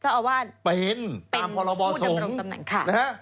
เจ้าอาวาทเป็นตามพรบสงฆ์เป็นผู้ทำแหน่งค่ะ